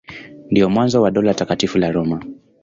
Ndio mwanzo wa Dola Takatifu la Roma.